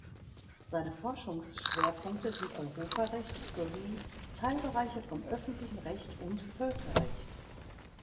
Seine Forschungsschwerpunkte sind Europarecht sowie Teilbereiche vom Öffentlichen Recht und Völkerrecht.